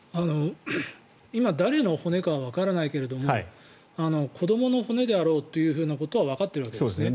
今、誰の骨かはわからないけれども子どもの骨であろうということはわかっているわけですね。